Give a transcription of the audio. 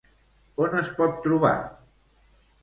On es pot trobar?